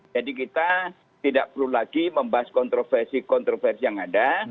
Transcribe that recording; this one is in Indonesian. jadi kita tidak perlu lagi membahas kontroversi kontroversi yang ada